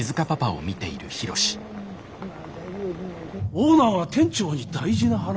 オーナーが店長に大事な話？